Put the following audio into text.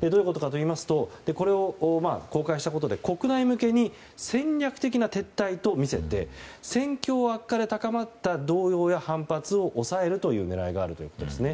どういうことかといいますとこれを公開したことで国内向けに戦略的な撤退と見せて戦況悪化で高まった動揺や反発を抑えるという狙いがあるということですね。